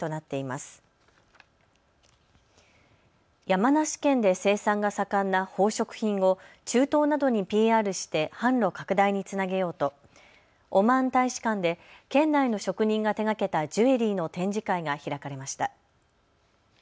山梨県で生産が盛んな宝飾品を中東などにＰＲして販路拡大につなげようと、オマーン大使館で県内の職人が手がけたジュエリーの展示会が開かれました。